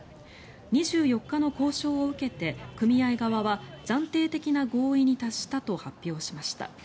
２４日の交渉を受けて、組合側は暫定的な合意に達したと発表しました。